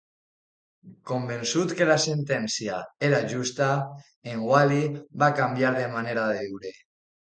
Convençut que la sentència era justa, en Wally va canviar de manera de viure.